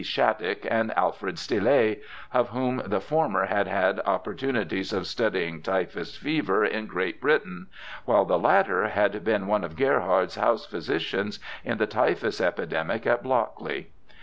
Shattuck and Alfred Stille, of whom the former had had oppor LOUIS 209 tunities of studying typhus fever in Great Britain, while the latter had been one of Gerhard's house physicians in the typhus epidemic at Blockley.